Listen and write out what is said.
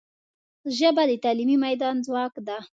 ژبه د تعلیمي میدان ځواک ده